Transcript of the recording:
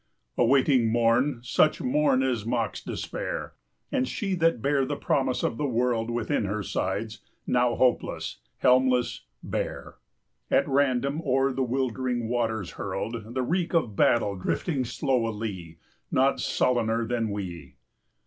Awaiting morn, such morn as mocks despair; And she that bare the promise of the world Within her sides, now hopeless, helmless, bare, At random o'er the wildering waters hurled; 10 The reek of battle drifting slow alee Not sullener than we.